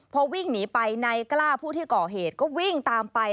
พอวิ่งหนีไปนายกล้าผู้ที่ก่อเหตุก็วิ่งตามไป